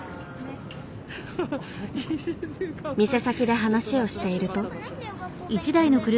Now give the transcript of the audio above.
店先で話をしていると。